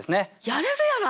やれるやろ？